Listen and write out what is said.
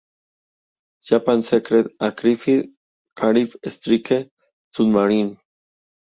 Japan´s Secret Aircraft-Carrying Strike Submarine.